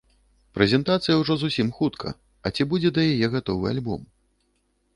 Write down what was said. Прэзентацыя ужо зусім хутка, а ці будзе да яе гатовы альбом?